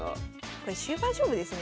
これ終盤勝負ですね